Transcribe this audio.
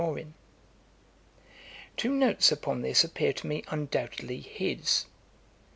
'[dagger] Two notes upon this appear to me undoubtedly his.